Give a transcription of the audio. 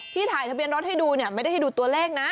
ถ่ายทะเบียนรถให้ดูเนี่ยไม่ได้ให้ดูตัวเลขนะ